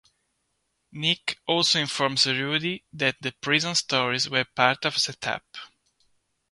Nick also informs Rudy that the prison stories were part of a set-up.